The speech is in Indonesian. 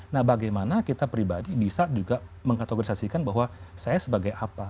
nah bagaimana kita pribadi bisa juga mengkategorisasikan bahwa saya sebagai apa